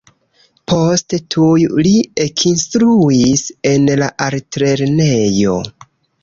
Poste tuj li ekinstruis en la Altlernejo.